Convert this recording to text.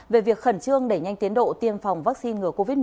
về việc khẩn trương đẩy nhanh tiến độ tiêm phòng vaccine ngừa covid một mươi chín